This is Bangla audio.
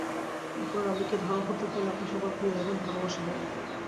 অপরের আবেগকে ধারণ করতে পারলে আপনি সবার প্রিয় হবেন, ভালোবাসা পাবেন।